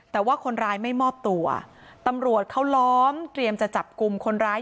แต่ว่าคนร้ายไม่มอบตัวตำรวจเขาล้อมเตรียมจะจับกลุ่มคนร้าย